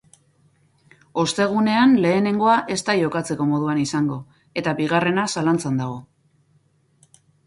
Ostegunean, lehenengoa ez da jokatzeko moduan izango, eta bigarrena zalantzan dago.